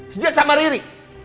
sejak sama riri